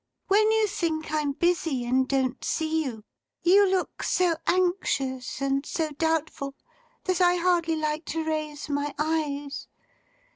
When you think I'm busy, and don't see you, you look so anxious and so doubtful, that I hardly like to raise my eyes.